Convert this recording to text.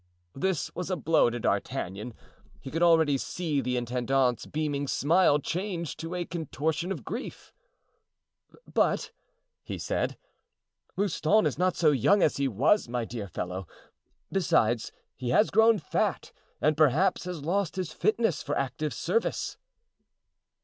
This was a blow to D'Artagnan. He could already see the intendant's beaming smile change to a contortion of grief. "But," he said, "Mouston is not so young as he was, my dear fellow; besides, he has grown fat and perhaps has lost his fitness for active service."